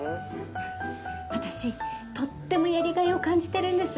私とってもやりがいを感じてるんです